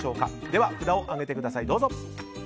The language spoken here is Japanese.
では札を上げてください。